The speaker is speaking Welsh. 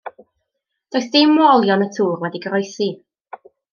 Does dim o olion y tŵr wedi goroesi.